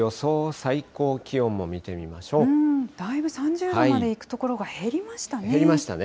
最高気温も見てみましだいぶ３０度までいく所が減減りましたね。